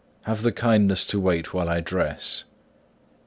Have the kindness to wait while I dress."